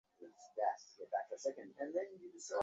কাকে দিয়ে খবর পাঠাব, কেউ কি আসে আমার কাছে।